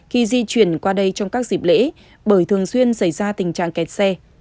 khi di chuyển qua đây trong các dịp lễ bởi thường xuyên xảy ra tình trạng kẹt xe